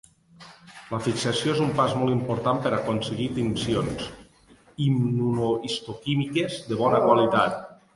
La fixació és un pas molt important per aconseguir tincions immunohistoquímiques de bona qualitat.